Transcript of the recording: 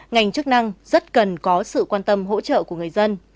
ngành chức năng rất cần có sự quan tâm hỗ trợ của người dân